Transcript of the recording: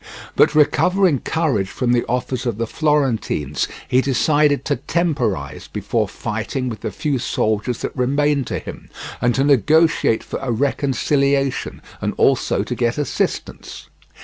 But recovering courage from the offers of the Florentines, he decided to temporize before fighting with the few soldiers that remained to him, and to negotiate for a reconciliation, and also to get assistance.